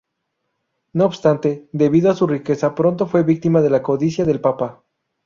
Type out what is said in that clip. No obstante, debido a su riqueza pronto fue víctima de la codicia del papa.